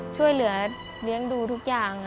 ช่วยเหลือเลี้ยงดูทุกอย่าง